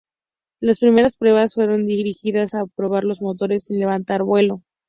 Las primeras pruebas fueron dirigidas a probar los motores sin levantar vuelo.